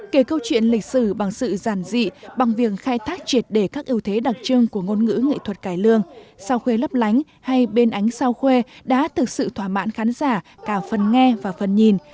kể câu chuyện lịch sử bằng sự giàn dị bằng việc khai thác triệt đề các ưu thế đặc trưng của ngôn ngữ nghệ thuật cải lương sao khuê lấp lánh hay bên ánh sao khuê đã thực sự thỏa mãn khán giả cả phần nghe và phần nhìn